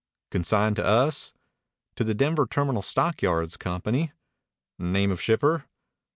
"Consigned to us?" "To the Denver Terminal Stockyards Company." "Name of shipper?"